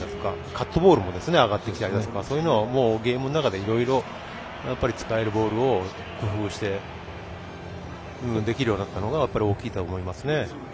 カットボールも上がってきたりとかそういうのはゲームの中でいろいろと使えるボール工夫してできるようになったのがいいと思いますね。